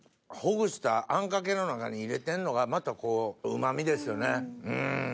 ほぐした餡かけの中に入れてんのがまたうま味ですよねうん。